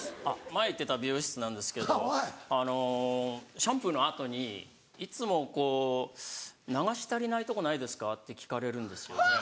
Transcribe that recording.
前行ってた美容室なんですけどシャンプーの後にいつもこう「流し足りないとこないですか？」って聞かれるんですよね。